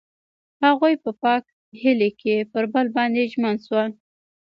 هغوی په پاک هیلې کې پر بل باندې ژمن شول.